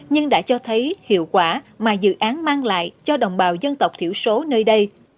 nhưng đã cho thấy hiệu quả mà dự án mang lại cho đồng bào dân tộc thiểu số nơi đây